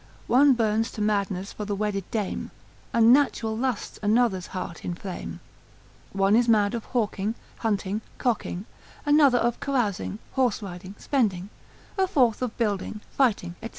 One burns to madness for the wedded dame; Unnatural lusts another's heart inflame. one is mad of hawking, hunting, cocking; another of carousing, horse riding, spending; a fourth of building, fighting, &c.